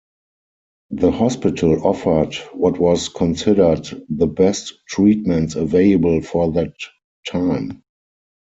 The hospital offered what was considered the best treatments available for that time.